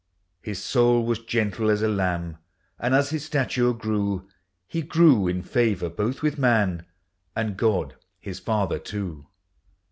His soul was gentle as a lamb; And as his stature grew, lie grew in favor both with man And God his father, too.